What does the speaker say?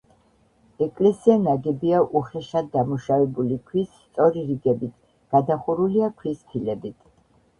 ეკლესია ნაგებია უხეშად დამუშავებული ქვის სწორი რიგებით, გადახურულია ქვის ფილებით.